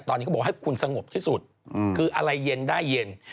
ตอนนี้เขาบอกให้คุณสงบที่สุดคืออะไรเย็นได้เย็น